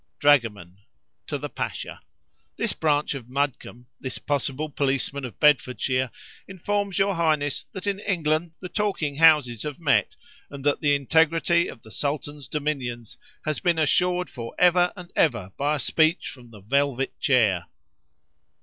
Dragoman (to the Pasha).—This branch of Mudcombe, this possible policeman of Bedfordshire, informs your Highness that in England the talking houses have met, and that the integrity of the Sultan's dominions has been assured for ever and ever by a speech from the velvet chair.